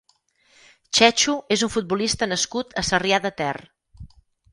Chechu és un futbolista nascut a Sarrià de Ter.